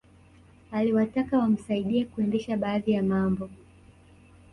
Aliwataka wamsaidie kuendesha baadhi ya mambo